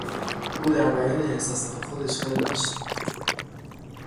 او در بیان احساسات خود اشکال داشت.